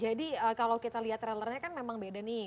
jadi kalau kita lihat trailernya kan memang beda nih